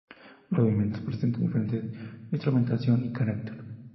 Los movimientos presentan diferente instrumentación y carácter.